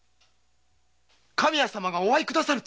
神谷様がお会い下さると？